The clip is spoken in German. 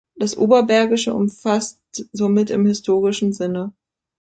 Das Oberbergische umfasst somit im historischen Sinne